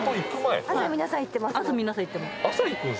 朝皆さん行ってます。